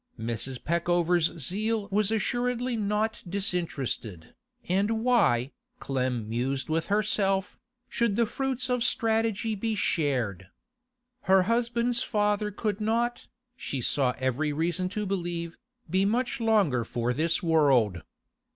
Mrs. Peckover's zeal was assuredly not disinterested, and why, Clem mused with herself, should the fruits of strategy be shared? Her husband's father could not, she saw every reason to believe, be much longer for this world.